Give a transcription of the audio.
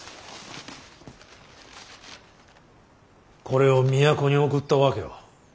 これを都に送った訳は。